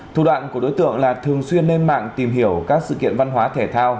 thủ đoạn của đối tượng là thường xuyên lên mạng tìm hiểu các sự kiện văn hóa thể thao